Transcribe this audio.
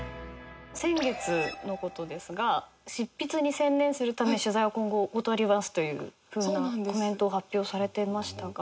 先月のことですが「執筆に専念するため取材は今後断ります」というコメントを発表されてましたが。